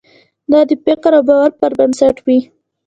دا د فکر او باور پر بنسټ وي.